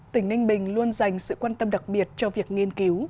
tỉnh ninh bình luôn dành sự quan tâm đặc biệt cho việc nghiên cứu